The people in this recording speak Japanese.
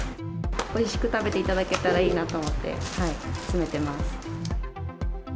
おいしく食べていただけたらいいなと思って、詰めてます。